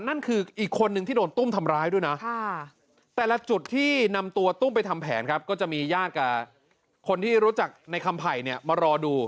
นั่นคืออีกคนนึงที่โดนตุ้มทำร้ายด้วยนะแต่ละจุดที่นำตัวตุ้มไปทำแผนครับก็จะมีญาติกับคนที่รู้จักในคำไผ่เนี่ยมารอดู